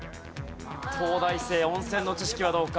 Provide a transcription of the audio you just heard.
東大生温泉の知識はどうか？